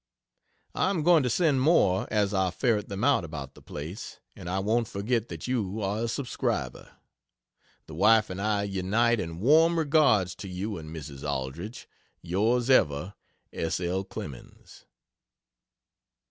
I am going to send more as I ferret them out, about the place. And I won't forget that you are a "subscriber." The wife and I unite in warm regards to you and Mrs. Aldrich. Yrs ever, S. L. CLEMENS.